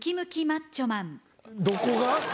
どこが？